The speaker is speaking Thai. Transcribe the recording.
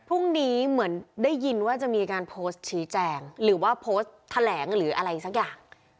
พรุ่งนี้เหมือนได้ยินว่าจะมีการโพสต์ชี้แจงหรือว่าโพสต์แถลงหรืออะไรสักอย่าง